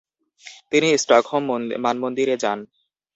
তিনি স্টকহোম মানমন্দির এ যান।